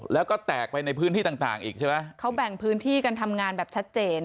แล้วก็แตกไปในพื้นที่ต่างต่างอีกใช่ไหมเขาแบ่งพื้นที่กันทำงานแบบชัดเจน